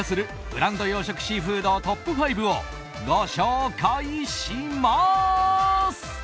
ブランド養殖シーフードトップ５をご紹介します。